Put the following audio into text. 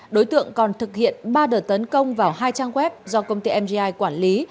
đối tượng còn thực hiện ba đợt tấn công vào hai trang web do công ty mgi quản lý